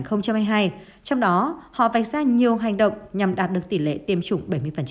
trong đó họ vạch ra nhiều hành động nhằm đạt được tỷ lệ tiêm chủng bảy mươi